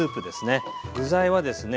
具材はですね